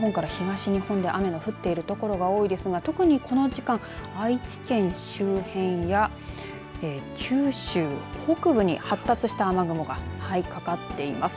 きょうは西日本から東日本で雨が降っている所が多いですが特にこの時間、愛知県周辺や九州北部に発達した雨雲がかかっています。